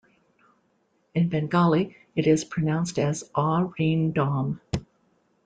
In Bengali, it is pronounced as "Awe-Reen-Daum".